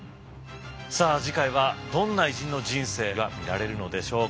さあ次回はどんな偉人の人生が見られるのでしょうか。